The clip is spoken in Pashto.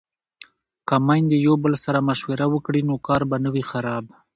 که میندې یو بل سره مشوره وکړي نو کار به نه وي خراب.